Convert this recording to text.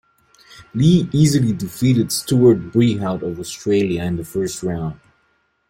Lee easily defeated Stuart Brehaut of Australia in the first round.